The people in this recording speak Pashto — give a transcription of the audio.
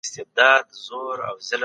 د مال بېرته ورکول د عدل نښه ده.